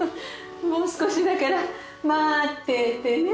もう少しだから待っててね。